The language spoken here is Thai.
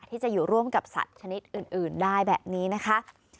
ที่จะอยู่ร่วมกับสัตว์ชนิดอื่นได้แบบนี้นะคะ